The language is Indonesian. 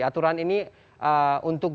aturan ini untuk